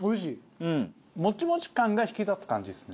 モチモチ感が引き立つ感じですね